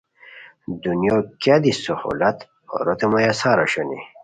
دنیو کیہ دی سہولت ہوروتے میسّر اوشونی